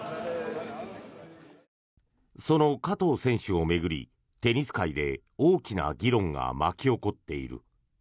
その加藤選手を巡りテニス界で大きな議論が巻き起こっている。